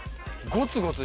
ゴツゴツ？